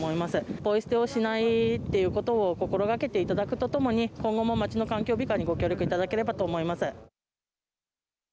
ポイ捨てをしないということを心がけていただくとともに今後も、町の環境美化に心がけていただければと思います。